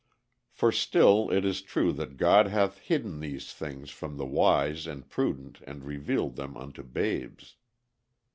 For still it is true that God hath hidden these things from the wise and prudent and revealed them unto babes.